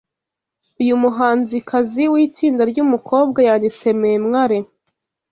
Uyu muhanzikazi witsinda ryumukobwa yanditse memware